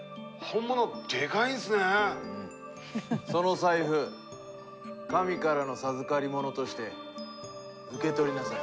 その財布神からの授かりものとして受け取りなさい。